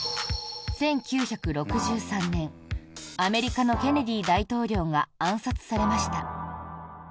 １９６３年アメリカのケネディ大統領が暗殺されました。